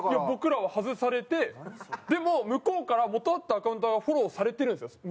僕らは外されてでも向こうから元あったアカウントはフォローされてるんですよ